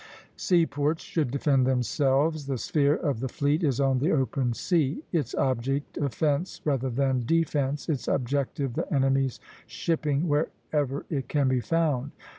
Seaports should defend themselves; the sphere of the fleet is on the open sea, its object offence rather than defence, its objective the enemy's shipping wherever it can be found.